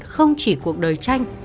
không chỉ cuộc đời tranh